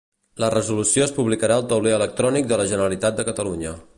La resolució es publicarà al tauler electrònic de la Generalitat de Catalunya.